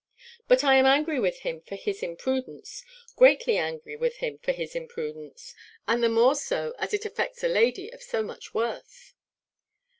"But I am angry with him for his imprudence, greatly angry with him for his imprudence; and the more so, as it affects a lady of so much worth."